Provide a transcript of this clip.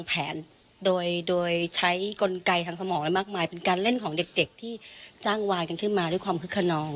เป็นการเล่นของเด็กที่จ้างวายกันขึ้นมาด้วยความคุกขนอง